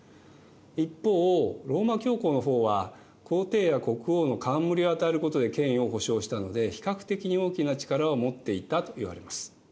一方ローマ教皇の方は皇帝や国王の冠を与えることで権威を保証したので比較的に大きな力を持っていたといわれます。